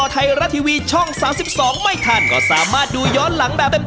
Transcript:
ทะเลาะกับลุงผม